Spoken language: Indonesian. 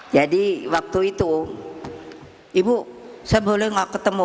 jadi waktu itu ibu saya boleh gak ketemu